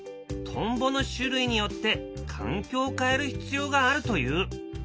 トンボの種類によって環境を変える必要があるという。